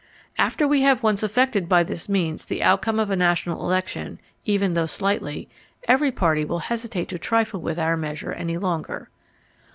After we have once affected by this means the outcome of a national election, even though slightly, every party will hesitate to trifle with our measure any longer.